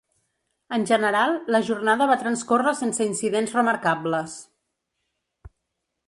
En general, la jornada va transcórrer sense incidents remarcables.